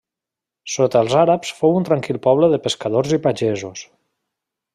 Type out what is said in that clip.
Sota els àrabs fou un tranquil poble de pescadors i pagesos.